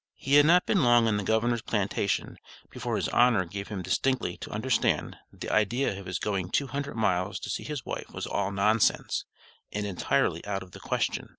He had not been long on the governor's plantation before his honor gave him distinctly to understand that the idea of his going two hundred miles to see his wife was all nonsense, and entirely out of the question.